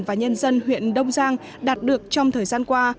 và nhân dân huyện đông giang đạt được trong thời gian qua